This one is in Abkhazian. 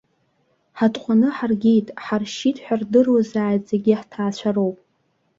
Ҳаҭҟәаны ҳаргеит, ҳаршьит ҳәа рдыруазааит зегьы ҳҭаацәароуп.